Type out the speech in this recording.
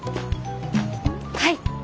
はい！